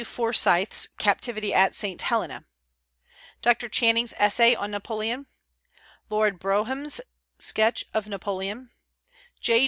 Forsyth's Captivity at St. Helena; Dr. Channing's Essay on Napoleon; Lord Brougham's Sketch of Napoleon; J.